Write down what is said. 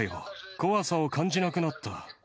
怖さを感じなくなった。